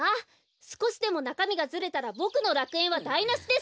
すこしでもなかみがずれたらぼくのらくえんはだいなしです。